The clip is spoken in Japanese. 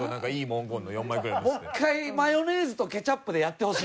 もう１回マヨネーズとケチャップでやってほしいな。